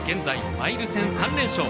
マイル戦３連勝。